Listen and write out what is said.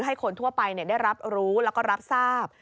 ให้คนทั่วไปได้รับรู้แล้วก็รับทราบ